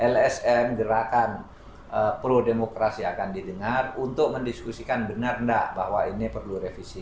lsm gerakan pro demokrasi akan didengar untuk mendiskusikan benar enggak bahwa ini perlu revisi